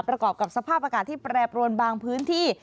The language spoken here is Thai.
ประกอบกับสภาพอากาศที่แปรปรวนบางพื้นที่